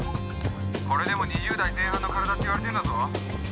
これでも２０代前半の体って言われてんだぞ。